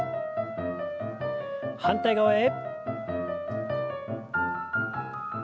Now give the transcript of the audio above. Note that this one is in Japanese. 反対側へ。